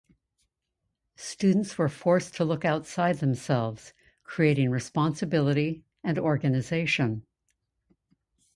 Students were forced to look outside themselves, creating responsibility and organization.